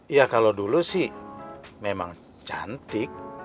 ya kalau dulu sih memang cantik